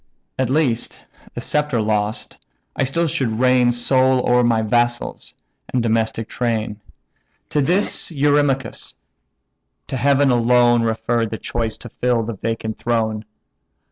At least, the sceptre lost, I still should reign Sole o'er my vassals, and domestic train." To this Eurymachus: "To Heaven alone Refer the choice to fill the vacant throne.